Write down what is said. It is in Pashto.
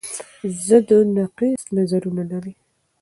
ضد و نقیص نظرونه لري